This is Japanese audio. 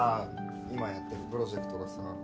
今やってるプロジェクトがさ